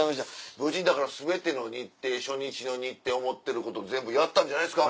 無事だから全ての日程初日の日程思ってること全部やったんじゃないですか？